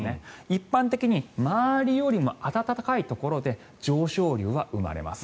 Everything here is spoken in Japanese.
一般的に周りよりも暖かいところで上昇流は生まれます。